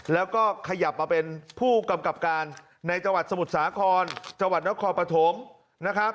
แล้วก็ขยับมาเป็นผู้กำกับการในสมุทรสาครจนคอปภรรพ์